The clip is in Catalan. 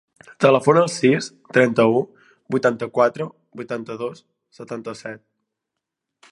Telefona al sis, trenta-u, vuitanta-quatre, vuitanta-dos, setanta-set.